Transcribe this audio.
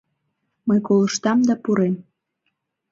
Мый колыштам да пурем.